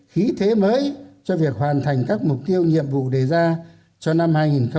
khí thế mới cho việc hoàn thành các mục tiêu nhiệm vụ đề ra cho năm hai nghìn hai mươi